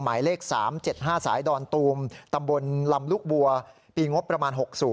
หมายเลข๓๗๕สายดอนตูมตำบลลำลูกบัวปีงบประมาณ๖๐